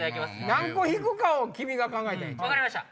何個引くかを君が考えたら。